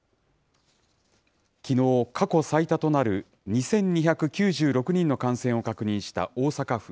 きのう、過去最多となる２２９６人の感染を確認した大阪府。